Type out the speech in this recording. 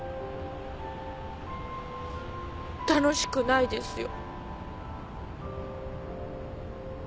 楽しくないですよ。